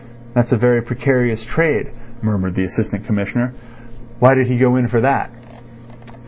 "That's a very precarious trade," murmured the Assistant Commissioner. "Why did he go in for that?"